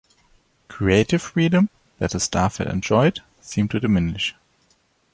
Creative freedom that the staff had enjoyed seemed to diminish.